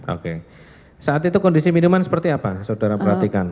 oke saat itu kondisi minuman seperti apa saudara perhatikan